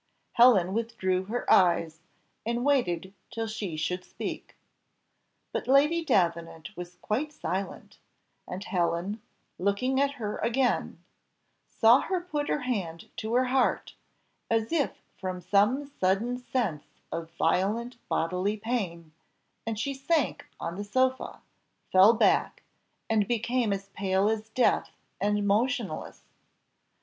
Helen withdrew her eyes, and waited till she should speak. But Lady Davenant was quite silent, and Helen, looking at her again, saw her put her hand to her heart, as if from some sudden sense of violent bodily pain, and she sank on the sofa, fell back, and became as pale as death and motionless.